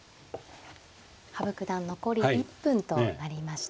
羽生九段残り１分となりました。